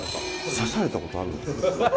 刺されたことあるの？